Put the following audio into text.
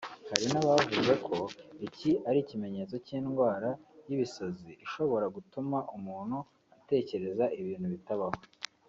Hari n’abavuze ko iki ari ikimenyetso cy’indwara y’ibisazi ishobora gutuma umuntu atekereza ibintu bitabaho